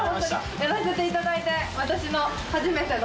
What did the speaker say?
やらせていただいて私の初めての。